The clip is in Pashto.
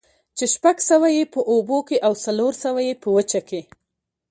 چې شپږ سوه ئې په اوبو كي او څلور سوه ئې په وچه كي